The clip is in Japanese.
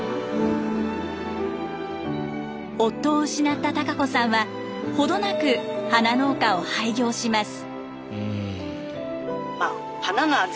夫を失った孝子さんは程なく花農家を廃業します。